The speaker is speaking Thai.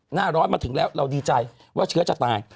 หน้าร้อนมาถึงแล้วเราดีใจว่าเชื้อจะตาย